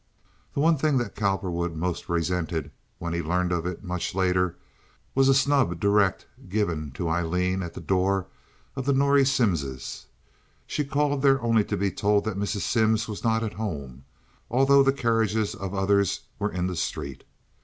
The one thing that Cowperwood most resented, when he learned of it much later, was a snub direct given to Aileen at the door of the Norrie Simmses'; she called there only to be told that Mrs. Simms was not at home, although the carriages of others were in the street.